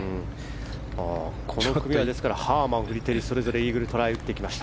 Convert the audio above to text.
この組はハーマン、フリテリがそれぞれイーグルトライ打ってきました。